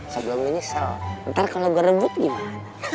sebelum lo nyesel ntar kalau gue rebut gimana